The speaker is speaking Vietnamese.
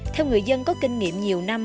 theo người dân có kinh nghiệm nhiều năm